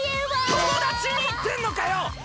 友達に言ってんのかよ！